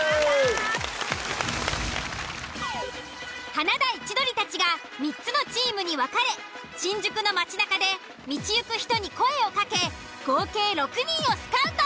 ［華大千鳥たちが３つのチームに分かれ新宿の街なかで道行く人に声を掛け合計６人をスカウト］